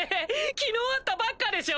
昨日会ったばっかでしょ？